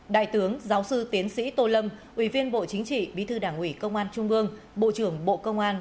đại tướng giáo sư tiến sĩ tô lâm ủy viên bộ chính trị bí thư đảng ủy công an trung ương bộ trưởng bộ công an